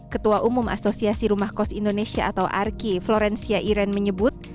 ketua umum asosiasi rumah kos indonesia atau arki florencia iren menyebut